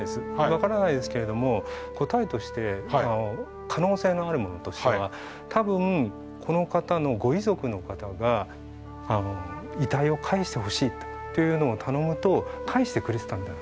分からないですけれども答えとして可能性のあるものとしては多分この方のご遺族の方が遺体を返してほしいというのを頼むと返してくれてたみたいなんですね。